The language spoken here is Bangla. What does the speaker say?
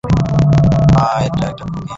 মা, এটা একটা খুকি।